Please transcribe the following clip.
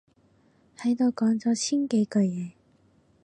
喺度講咗千幾句嘢